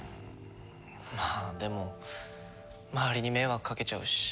まあでも周りに迷惑かけちゃうし。